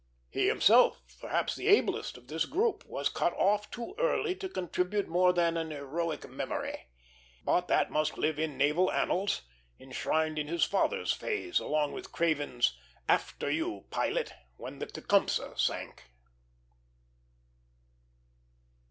He himself, perhaps the ablest of this group, was cut off too early to contribute more than an heroic memory; but that must live in naval annals, enshrined in his father's phrase, along with Craven's "After you, pilot," when the Tecumseh sank.